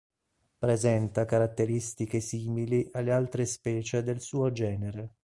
Presenta caratteristiche simili alle altre specie del suo genere.